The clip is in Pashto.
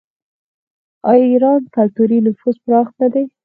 آیا د ایران کلتوري نفوذ پراخ نه دی؟